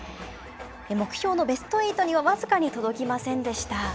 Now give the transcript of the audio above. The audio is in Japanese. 目標のベスト８には僅かに届きませんでした。